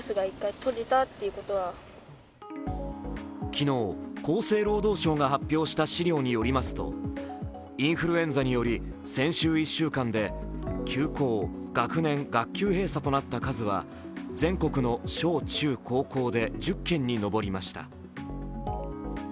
昨日、厚生労働省が発表した資料によりますとインフルエンザにより、先週１週間で休校、学年・学校閉鎖となった数は、全国の小中高校で１０件に上りました。